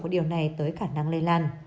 của điều này tới khả năng lây lan